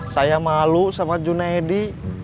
saya malu sama junaedi